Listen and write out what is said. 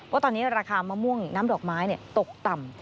ว่าตอนนี้ราคามะม่วงน้ำดอกไม้ตกต่ำ